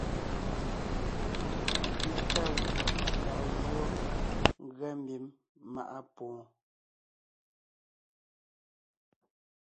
Pi tá gù kaa jǔɔ ngʉa mbím maʼa pwoon.